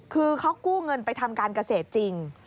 คือเขากู้เงินไปทำการเกษตรจริง